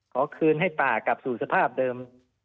ขอคืนให้ป่ากลับสู่สภาพเดิม